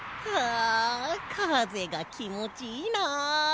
あかぜがきもちいいなあ。